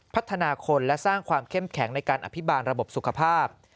พัฒนาคนและสร้างความเข้มแข็งในการอภิบาลระบบสุขภาพ